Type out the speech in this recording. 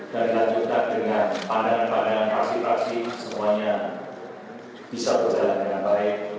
dan dilanjutkan dengan pandangan pandangan taksifasi semuanya bisa berjalan dengan baik